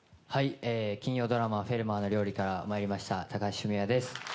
金曜ドラマ「フェルマーの料理」からまいりました高橋文哉です。